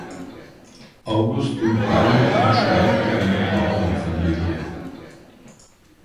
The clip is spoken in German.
Augustin Palme entstammte einer Bauernfamilie.